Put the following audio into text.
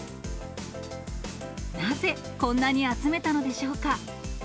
なぜこんなに集めたのでしょうか。